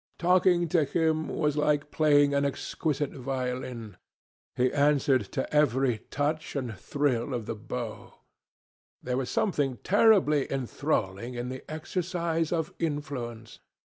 Talking to him was like playing upon an exquisite violin. He answered to every touch and thrill of the bow.... There was something terribly enthralling in the exercise of influence.